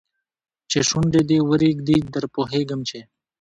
چې شونډي دې ورېږدي در پوهېږم چې